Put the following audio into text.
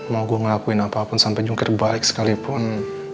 mau gue ngelakuin apapun sampe jungkir balik sekalipun